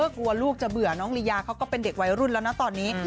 กลัวลูกจะเบื่อน้องลียาเขาก็เป็นเด็กวัยรุ่นแล้วนะตอนนี้